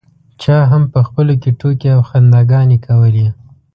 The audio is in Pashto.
چا هم په خپلو کې ټوکې او خنداګانې کولې.